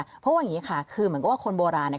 เพราะว่าอย่างนี้ค่ะคือเหมือนกับว่าคนโบราณเนี่ย